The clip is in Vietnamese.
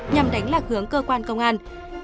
nhằm đánh lạc hướng cơ quan công an